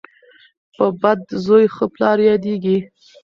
په بد زوی ښه پلار یادیږي.